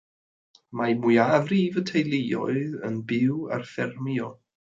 Mae mwyafrif y teuluoedd yn byw ar ffermio.